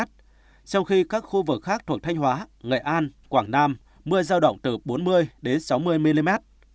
trong khi các khu vực khác thuộc thanh hóa nghệ an quảng nam mưa giao động từ bốn mươi đến sáu mươi mm